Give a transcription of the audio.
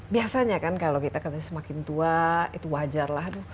biasanya kan kalau kita semakin tua itu wajar lah